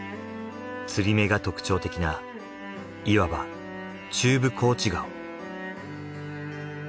つり目が特徴的ないわば中部高地顔。